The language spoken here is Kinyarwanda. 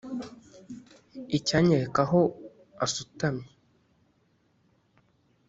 Icyanyereka aho asutamye,